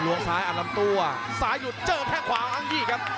ลวงซ้ายอันลับตัวซ้ายหยุดเจอแค่ขวาอังกฤษครับ